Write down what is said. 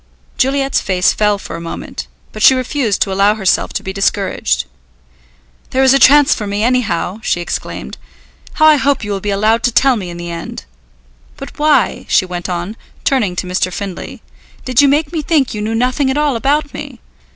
Juliet's face fell for a moment, but she refused to allow herself to be discouraged. "There is a chance for me, anyhow!" she exclaimed. "How I hope you will be allowed to tell me in the end! But why," she went on, turning to Mr. Findlay, "did you make me think you knew nothing at all about me.